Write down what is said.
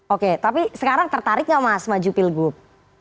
oke tapi sekarang tertarik nggak mas maju pilgub